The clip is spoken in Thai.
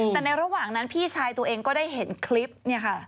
แต่ในระหว่างนั้นพี่ชายตัวเองก็ได้เห็นคลิปเนี่ยค่ะ